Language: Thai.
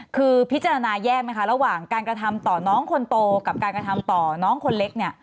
คือพิจารณาแยกไหมคะระหว่างการกระทำต่อน้องคนโตกับการกระทำต่อน้องคนเล็กเนี่ย